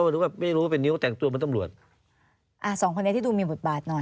ผมก็รู้ว่าไม่รู้ว่าเป็นนิ้วแต่งตัวเป็นตำรวจอ่าสองคนนี้ที่ดูมีหมุดบาดนอน